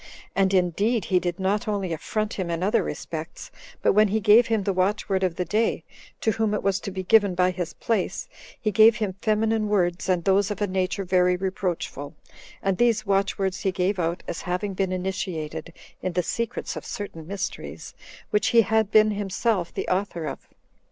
And indeed he did not only affront him in other respects, but when he gave him the watchword of the day, to whom it was to be given by his place, he gave him feminine words, and those of a nature very reproachful; and these watchwords he gave out, as having been initiated in the secrets of certain mysteries, which he had been himself the author of.